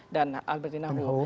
dan albertina wu